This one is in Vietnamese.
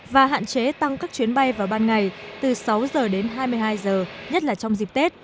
và hạn chế tăng các chuyến bay vào ban ngày từ sáu giờ đến hai mươi hai giờ nhất là trong dịp tết